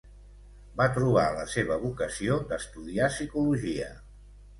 Va trobar la seva vocació d'estudiar psicologia.